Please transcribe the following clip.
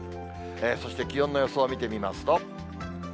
そして気温の予想見てみますと。